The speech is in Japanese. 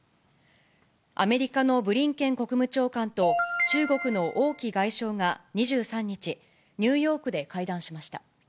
アメリカのブリンケン国務長官と中国の王毅外相が２３日、ニューヨークで会談しました。